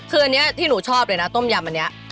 คืออันนี้ที่หนูชอบเลยนะต้มยำอันนี้